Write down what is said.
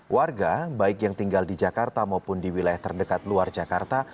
warga baik yang tinggal di jakarta maupun di wilayah terdekat luar jakarta